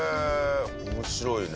面白いね。